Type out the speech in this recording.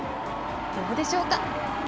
どうでしょうか。